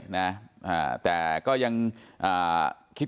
อันนี้แม่งอียางเนี่ย